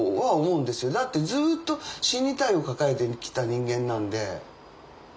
だってずっと死にたいを抱えてきた人間なんで。